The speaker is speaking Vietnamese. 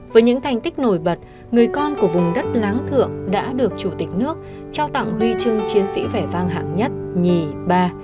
với những thành tích nổi bật người con của vùng đất láng thượng đã được chủ tịch nước trao tặng huy chương chiến sĩ vẻ vang hạng nhất nhì ba